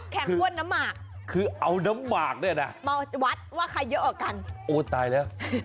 แข่งบ้วนน้ำมากคือเอาน้ำมากด้วยนะมาวัดว่าใครเยอะกันโอ้วตายแล้ว